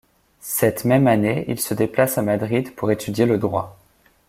Cette même année il se déplace à Madrid pour étudier le Droit.